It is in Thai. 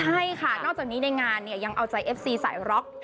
ใช่ค่ะนอกจากนี้ในงานเนี่ยยังเอาใจเอฟซีสายร็อก